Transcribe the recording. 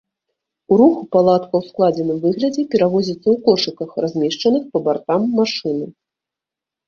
У руху палатка ў складзеным выглядзе перавозіцца ў кошыках, размешчаных па бартам машыны.